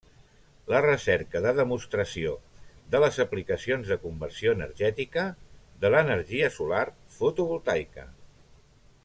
La recerca de demostració de les aplicacions de conversió energètica de l'energia solar fotovoltaica.